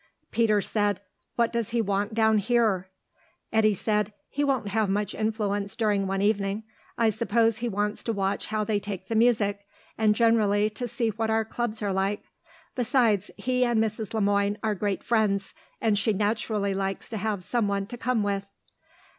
Peters said, "What does he want down here?" Eddy said, "He won't have much influence during one evening. I suppose he wants to watch how they take the music, and, generally, to see what our clubs are like. Besides, he and Mrs. Le Moine are great friends, and she naturally likes to have someone to come with."